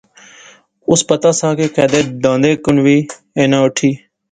اس پتا سا کہ کیدے داندے کن وی اینا اٹھی